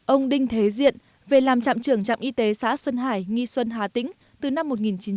ông đinh thế diện về làm trạm trưởng trạm y tế xã xuân hải nghi xuân hà tĩnh từ năm một nghìn chín trăm chín mươi